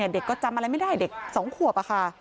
เด็กก็จำอะไรไม่ได้สองขวบนะคะ